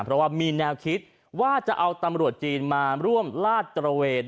เพราะว่ามีแนวคิดว่าจะเอาตำรวจจีนมาร่วมลาดตระเวน